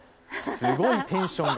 すごいテンションが。